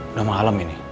udah malem ini